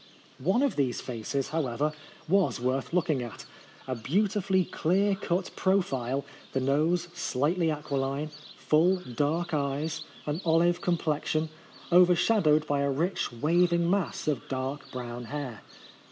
One of these faces, how ever, was worth looking at, — a beautifully clear cut profile, the nose slightly aquiline, full dark eyes, an olive complexion, over shadowed by a rich waving mass of dark brown hair.